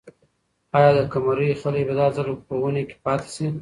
آیا د قمرۍ خلی به دا ځل په ونې کې پاتې شي؟